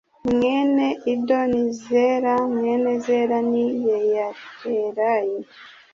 Mwene ido ni zera mwene zera ni yeyaterayi